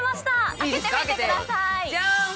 開けてみてください。じゃん！